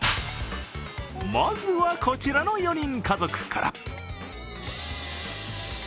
まずはこちらの４人家族から。